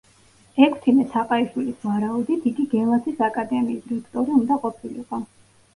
ექვთიმე თაყაიშვილის ვარაუდით, იგი გელათის აკადემიის რექტორი უნდა ყოფილიყო.